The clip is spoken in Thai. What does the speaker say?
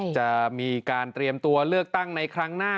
จะมีการเตรียมตัวเลือกตั้งในครั้งหน้า